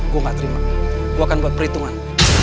gue gak terima gue akan buat perhitungan